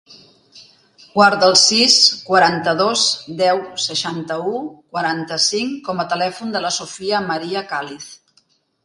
Guarda el sis, quaranta-dos, deu, seixanta-u, quaranta-cinc com a telèfon de la Sofia maria Caliz.